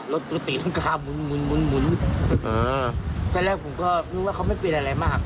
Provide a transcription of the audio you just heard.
รถตีรังกาหมุนหมุนหมุนหมุนเออทั้งแรกผมก็นึกว่าเขาไม่เป็นอะไรมาก